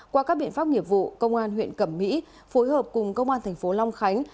qua các biện pháp nghiệp vụ công an huyện cẩm mỹ phối hợp cùng công an thành phố long khánh